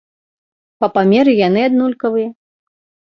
Па памеры яны аднолькавыя.